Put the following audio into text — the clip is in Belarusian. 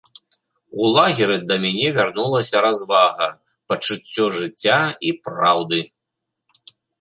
У лагеры да мяне вярнулася развага, пачуццё жыцця і праўды.